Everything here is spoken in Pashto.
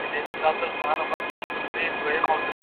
پټ حقایق د پوهانو په واسطه څرګندېږي.